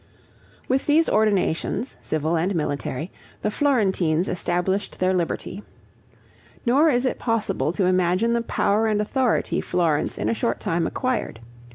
With these ordinations, civil and military, the Florentines established their liberty. Nor is it possible to imagine the power and authority Florence in a short time acquired.